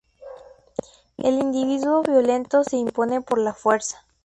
El individuo violento se impone por la fuerza.